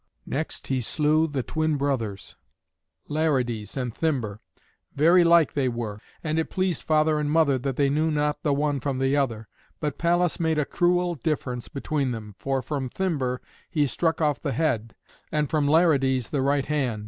Next he slew the twin brothers, Larides and Thymber. Very like they were, and it pleased father and mother that they knew not the one from the other; but Pallas made a cruel difference between them, for from Thymber he struck off the head, and from Larides the right hand.